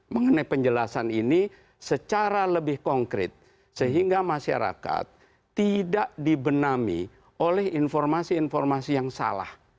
mengenai penjelasan ini secara lebih konkret sehingga masyarakat tidak dibenami oleh informasi informasi yang salah